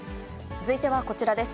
続いてはこちらです。